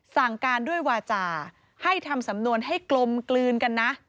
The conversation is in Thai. สั่งการด้วยวาจาให้ทำสำนวนให้กลมกลืนกันนะ